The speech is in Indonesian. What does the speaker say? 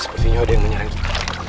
sepertinya ada yang menyerang kita